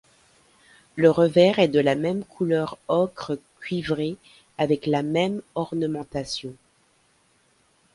Le revers est de la même couleur ocre cuivré avec la même ornementation.